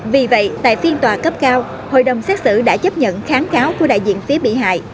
vì vậy tại phiên tòa cấp cao hội đồng xét xử đã chấp nhận kháng cáo của đại diện phía bị hại